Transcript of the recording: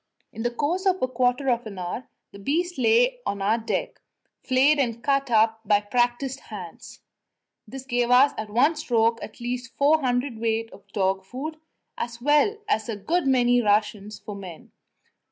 In the course of a quarter of an hour the beast lay on our deck, flayed and cut up by practised hands; this gave us at one stroke at least four hundredweight of dog food, as well as a good many rations for men.